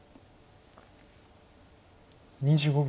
２５秒。